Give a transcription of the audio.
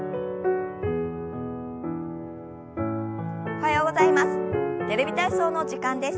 おはようございます。